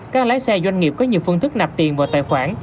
các lái xe doanh nghiệp có nhiều phương thức nạp tiền vào tài khoản